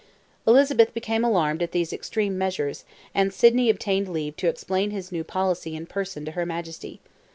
Elizabeth became alarmed at these extreme measures, and Sidney obtained leave to explain his new policy in person to her Majesty.